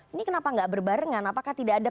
ini kenapa nggak berbarengan apakah tidak ada